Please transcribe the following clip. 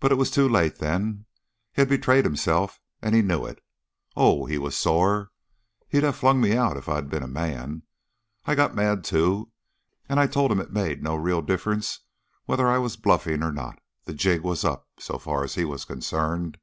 But it was too late then; he had betrayed himself and he knew it. Oh, he was sore! He'd have flung me out if I'd been a man. I got mad, too, and I told him it made no real difference whether I was bluffing or not; the jig was up, so far as he was concerned.